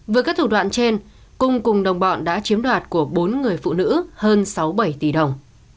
với các thủ đoạn trên cung cùng đồng bọn đã chiếm đoạt của bốn người phụ nữ hơn sáu bảy tỷ đồng